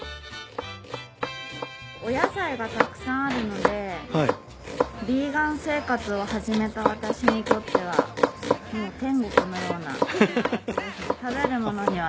お野菜がたくさんあるのでヴィーガン生活を始めた私にとってはもう天国のような生活ですね。